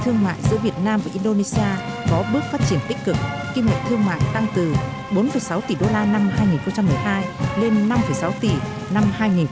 thương mại giữa việt nam và indonesia có bước phát triển tích cực kim ngạch thương mại tăng từ bốn sáu tỷ đô la năm hai nghìn một mươi hai lên năm sáu tỷ năm hai nghìn một mươi bảy